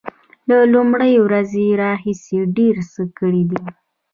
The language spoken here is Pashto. له لومړۍ ورځې راهیسې ډیر څه کړي دي